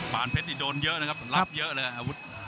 เพชรนี่โดนเยอะนะครับรับเยอะเลยอาวุธ